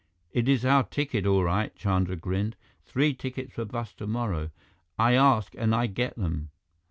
"It is our ticket, all right." Chandra grinned. "Three tickets for bus tomorrow. I ask and I get them.